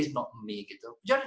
saya merasa itu bukan saya